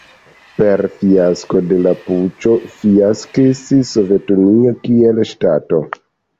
Per fiasko de la puĉo fiaskis Sovetunio kiel ŝtato.